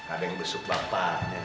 ada yang besuk bapaknya